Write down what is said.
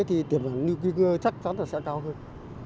thì tiềm bằng newkicker chắc chắn là sẽ cao hơn